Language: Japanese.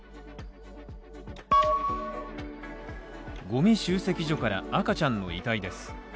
ゴミ集積所から赤ちゃんの遺体です。